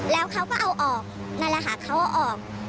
แล้วเขาก็เอาออกนั่นแหละค่ะเขาเอาออก